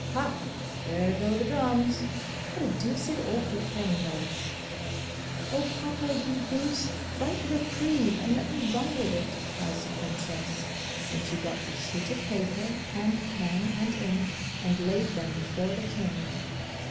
'Ha! there go the drums! What a doosid awkward thing though!' 'Oh, papa, you goose! Write the reprieve, and let me run with it,' cries the Princess and she got a sheet of paper, and pen and ink, and laid them before the King.